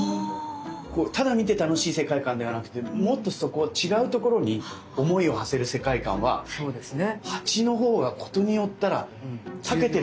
ただ見て楽しい世界観ではなくてもっとそこを違うところに思いをはせる世界観は鉢のほうが事によったらたけてる気がします。